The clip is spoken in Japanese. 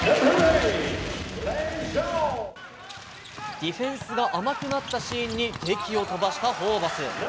ディフェンスが甘くなったシーンに檄を飛ばしたホーバス。